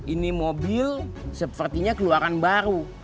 ini mobil sepertinya keluaran baru